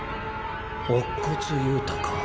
乙骨憂太か。